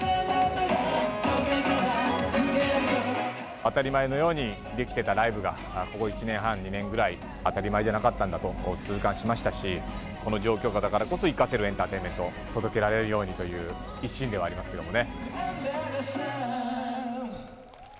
当たり前のようにできてたライブが、ここ１年半、２年ぐらい、当たり前じゃなかったんだと痛感しましたし、この状況下だからこそ生かせるエンターテインメント、届けられるようにという一心ではありますけどね。